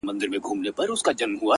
• دا سپك هنر نه دى چي څوك يې پــټ كړي ـ